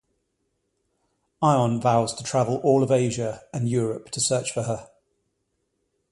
Ion vows to travel all of Asia and Europe to search for her.